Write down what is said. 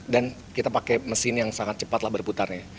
dan kita pakai mesin yang sangat cepat lah berputarnya